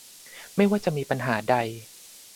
ไม่ว่าจะมีปัญหาใด